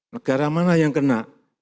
negara mana yang kena